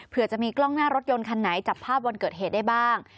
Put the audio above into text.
เพื่อจะมีกล้องหน้ารถยนต์คันไหนจับภาพวันเกิดเหตุได้บ้าง